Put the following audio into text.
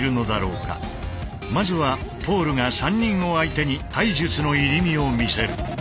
まずはポールが３人を相手に体術の入身を見せる。